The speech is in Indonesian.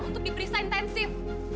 untuk diperiksa intensif